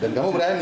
dan kamu berani